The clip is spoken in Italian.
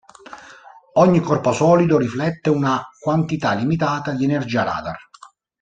Ogni corpo solido riflette una quantità limitata di energia radar.